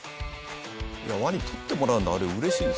いやワニ取ってもらうのあれ嬉しいんですよ